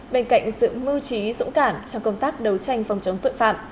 bên cạnh sự mưu trí dũng cảm trong công tác đấu tranh phòng chống tội phạm